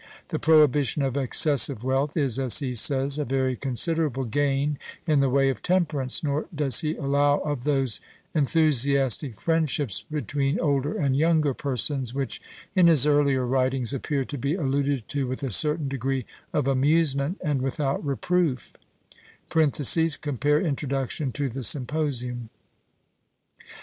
The prohibition of excessive wealth is, as he says, a very considerable gain in the way of temperance, nor does he allow of those enthusiastic friendships between older and younger persons which in his earlier writings appear to be alluded to with a certain degree of amusement and without reproof (compare Introduction to the Symposium).